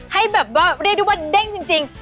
ให้แบบว่าเรียกได้ว่าเด้งจริง